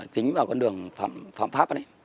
chính vào con đường phạm pháp